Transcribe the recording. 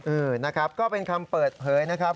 เออนะครับก็เป็นคำเปิดเผยนะครับ